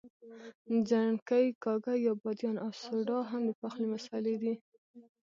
ځڼکۍ، کاږه یا بادیان او سوډا هم د پخلي مسالې دي.